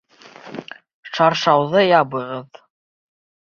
Шаршауҙы ябығыҙ!